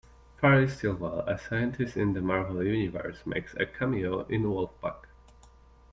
Farley Stillwell, a scientist in the Marvel universe, makes a cameo in Wolfpack.